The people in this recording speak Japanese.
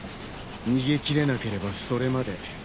逃げ切れなければそれまで。